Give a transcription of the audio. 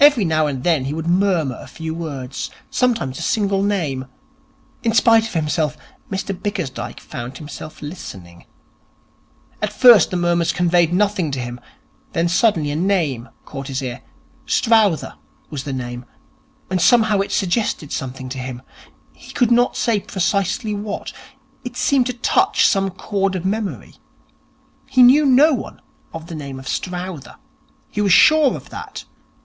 Every now and then he would murmur a few words, sometimes a single name. In spite of himself, Mr Bickersdyke found himself listening. At first the murmurs conveyed nothing to him. Then suddenly a name caught his ear. Strowther was the name, and somehow it suggested something to him. He could not say precisely what. It seemed to touch some chord of memory. He knew no one of the name of Strowther. He was sure of that.